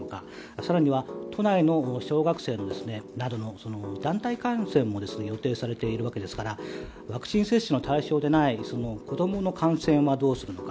更には都内の小学生などの団体観戦も予定されているわけですからワクチン接種の対象でない子供の感染はどうするのか。